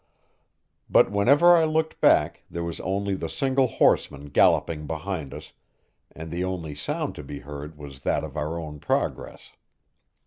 But whenever I looked back there was only the single horseman galloping behind us, and the only sound to be heard was that of our own progress.